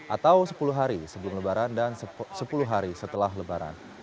atau sepuluh hari sebelum lebaran dan sepuluh hari setelah lebaran